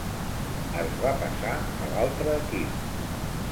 Es va passar a l'altre equip.